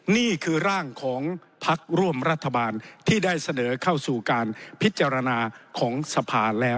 นี่คือร่างของพักร่วมรัฐบาลที่ได้เสนอเข้าสู่การพิจารณาของสภาแล้ว